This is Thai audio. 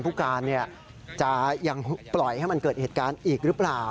ผู้การจะยังปล่อยให้มันเกิดเหตุการณ์อีกหรือเปล่า